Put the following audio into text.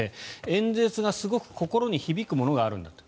演説がすごく心に響くものがあるんだと。